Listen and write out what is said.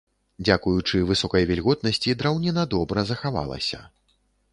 Дзякуючы высокай вільготнасці драўніна добра захавалася.